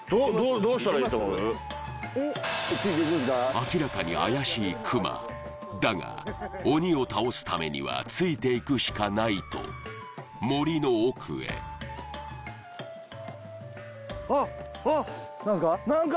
明らかに怪しいクマだが鬼を倒すためにはついていくしかないと森の奥へあっあっ何すか？